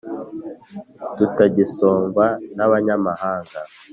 tutagisongwa n’abanyamahanga